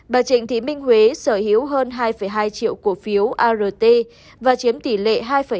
bà trịnh thị minh huế sở hữu hơn hai hai triệu cổ phiếu art và chiếm tỷ lệ hai hai mươi tám